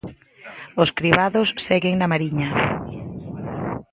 Os cribados seguen na Mariña.